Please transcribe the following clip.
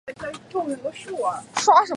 应天府乡试第五名。